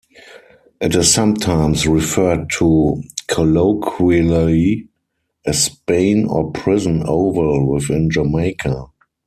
It is sometimes referred to colloquially as "Spain" or "Prison Oval" within Jamaica.